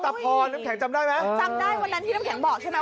พรน้ำแข็งจำได้ไหมจำได้วันนั้นที่น้ำแข็งบอกใช่ไหม